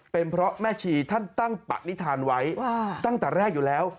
เป็นเพราะแม่ชีท่านตั้งปณิธานไว้ตั้งแต่แรกอยู่แล้ว